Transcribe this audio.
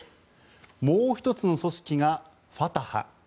もう１つの組織がファタハ。